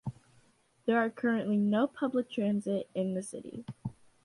There are currently no public transit in the city.